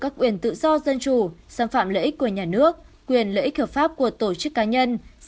các quyền tự do dân chủ xâm phạm lợi ích của nhà nước quyền lợi ích hợp pháp của tổ chức cá nhân